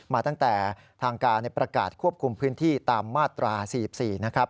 มาตั้งแต่ทางการประกาศควบคุมพื้นที่ตามมาตรา๔๔นะครับ